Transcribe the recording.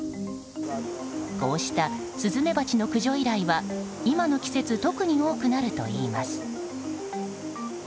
こうしたスズメバチの駆除依頼は今の季節特に多くなるといいます。